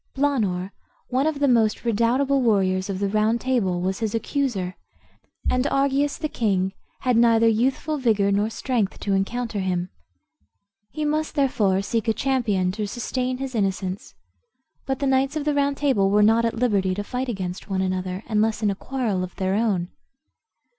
Blaanor, one of the most redoubtable warriors of the Round Table, was his accuser, and Argius, the king, had neither youthful vigor nor strength to encounter him. He must therefore seek a champion to sustain his innocence. But the knights of the Round Table were not at liberty to fight against one another, unless in a quarrel of their own.